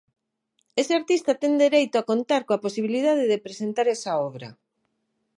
Ese artista ten dereito a contar coa posibilidade de presentar esa obra.